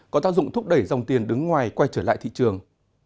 có tác dụng thúc đẩy dòng tiền đứng ngoài quay trở lại thị trường